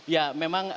ya memang hanum